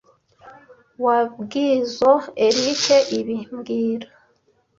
Wabwizoe Eric ibi mbwira